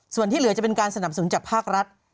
ส่วนที่เหลือจะเป็นการสนับสนุนจากภาครัฐ